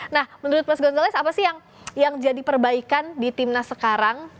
nah menurut mas gonzalez apa sih yang jadi perbaikan di timnas sekarang